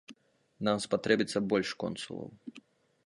Нам спатрэбіцца больш консулаў.